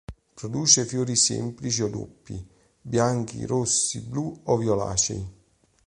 Produce fiori semplici o doppi, bianchi, rossi, blu o violacei.